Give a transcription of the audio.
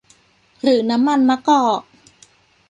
หรือน้ำมันมะกอก